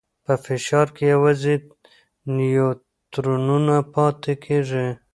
په فشار کې یوازې نیوترونونه پاتې کېږي.